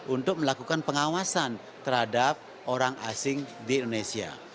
untuk melakukan pengawasan terhadap orang asing di indonesia